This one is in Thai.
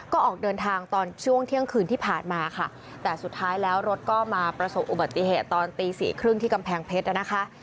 ก็ออกเดินทางตอนช่วงเที่ยงคืนที่ผ่านมาค่ะแต่สุดท้ายแล้วรถก็มาประสบอุบัติเหตุตอนตีสี่ครึ่งที่กำแพงเพชรนะคะ